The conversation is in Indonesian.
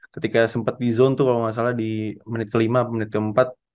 ketika sempat di zone tuh kalau gak salah di menit kelima atau menit keempat